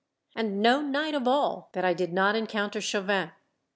And no night of all that I did not encounter Chauvin.